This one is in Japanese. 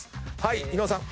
伊野尾さん。